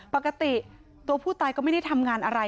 ปกติตัวผู้ตายก็ไม่ได้ทำงานอะไร